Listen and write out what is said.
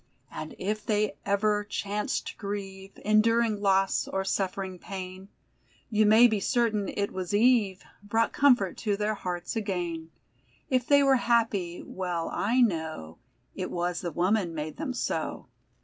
And if they ever chanced to grieve, Enduring loss, or suff'ring pain, You may be certain it was Eve Brought comfort to their hearts again; If they were happy, well I know, It was the Woman made them so.